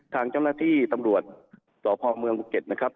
ทางเจ้าหน้าที่ตำรวจสพเมืองภูเก็ตนะครับ